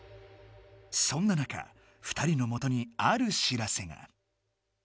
そんな中２人のもとにある知らせが。